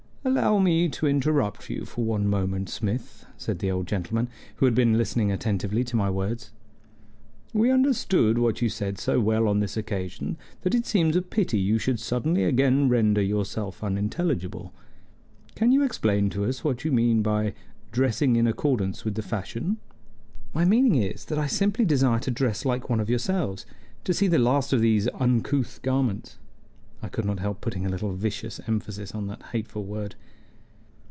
"Allow me to interrupt you for one moment, Smith," said the old gentleman, who had been listening attentively to my words. "We understood what you said so well on this occasion that it seems a pity you should suddenly again render yourself unintelligible. Can you explain to us what you mean by dressing in accordance with the fashion?" "My meaning is, that I simply desire to dress like one of yourselves, to see the last of these uncouth garments." I could not help putting a little vicious emphasis on that hateful word.